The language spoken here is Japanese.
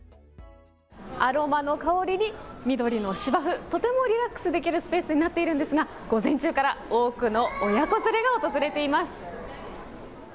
アロマの香りに緑の芝生、とてもリラックスできるスペースになっているんですが、午前中から多くの親子連れが訪れています。